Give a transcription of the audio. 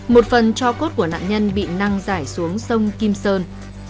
một phần cho cốt của nạn nhân bị năng giải xuống sông kim sơn